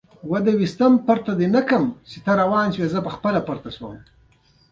دروازه يې بنده کړل او موټر ته وروخوت، شېبه وروسته رهي شوو.